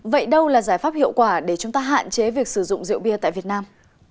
vậy đâu là giải pháp hiệu quả để chúng ta hạn chế việc sử dụng rượu bia tại việt nam